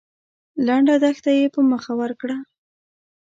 لنډه دښته يې په مخه ورکړه.